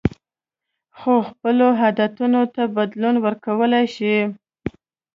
خو خپلو عادتونو ته بدلون ورکولی شئ.